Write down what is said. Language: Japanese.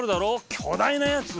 巨大なやつ！